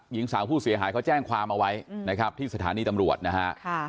หญิงสาวผู้เสียหายเขาแจ้งความเอาไว้นะครับที่สถานีตำรวจนะฮะ